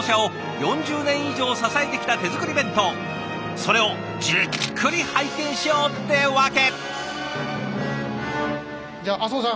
それをじっくり拝見しようってわけ。